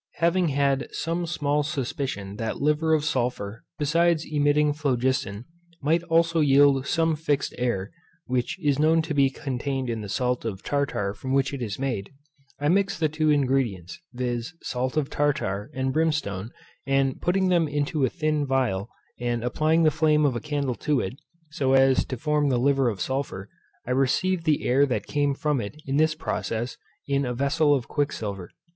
Having had some small suspicion that liver of sulphur, besides emitting phlogiston, might also yield some fixed air (which is known to be contained in the salt of tartar from which it is made) I mixed the two ingredients, viz. salt of tartar and brimstone, and putting them into a thin phial, and applying the flame of a candle to it, so as to form the liver of sulphur, I received the air that came from it in this process in a vessel of quicksilver.